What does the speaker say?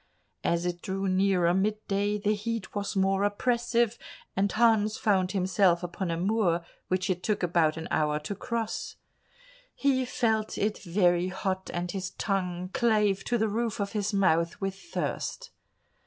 As it drew nearer mid day, the heat was more oppressive, and Hans found himself upon a moor which it took about an hour to cross. He felt it very hot and his tongue clave to the roof of his mouth with thirst.